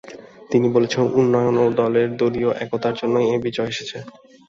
তিনি বলেছেন, উন্নয়ন ও দলের দলীয় একতার জন্যই এ বিজয় এসেছে।